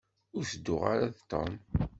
Ur tedduɣ ara d Tom.